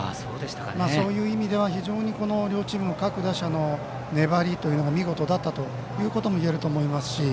そういう意味では両チームの各打者の粘りが見事だったということもいえると思いますし。